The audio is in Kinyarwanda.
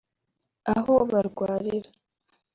aho barwarira